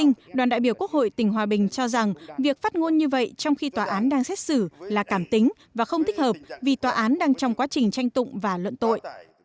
trong đó đoàn đại biểu quốc hội tỉnh hòa bình cho rằng việc phát ngôn như vậy trong khi tòa án đang xét xử là cảm tính và không thích hợp vì tòa án đang trong quá trình tranh tụng và luận tội